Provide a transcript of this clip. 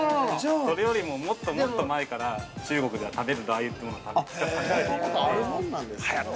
◆それよりももっともっと前から中国では食べるラー油というものが食べられていたんです。